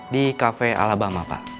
di cafe alabama pak